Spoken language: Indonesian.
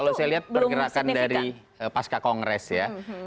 kalau saya lihat pergerakan dari pasca kongres ya